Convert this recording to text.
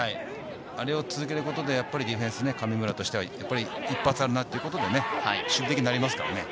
あれを続けることでディフェンス、神村としては、一発あるなということで、守備的になりますからね。